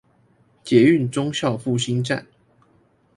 捷運忠孝復興站